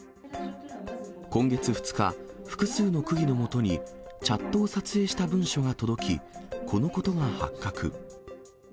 今月２日、複数の区議のもとに、チャットを撮影した文書が届き、このことが発覚。